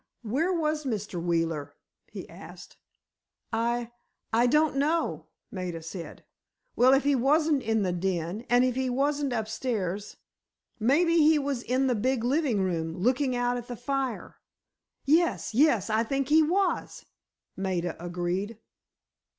"Where was Mr. Wheeler?" he asked. "I—I don't know," Maida said. "Well, if he wasn't in the den, and if he wasn't upstairs, maybe he was in the big living room, looking out at the fire." "Yes—yes, I think he was!" Maida agreed.